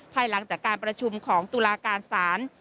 ภายหลังจากการประชุมของตุลาการศาล